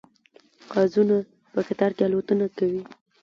قازونه په قطار کې الوتنه کوي